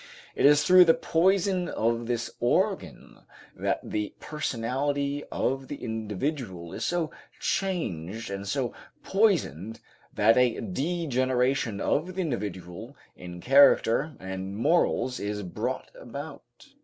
It is through the poison of this organ that the personality of the individual is so changed and so poisoned that a degeneration of the individual in character and morals is brought about.